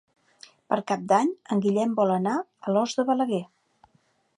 Per Cap d'Any en Guillem vol anar a Alòs de Balaguer.